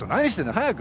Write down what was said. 早く。